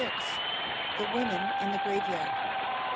THE WOMEN IN THE GRAVEYARD.